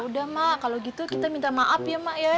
udah mak kalau gitu kita minta maaf ya mak ya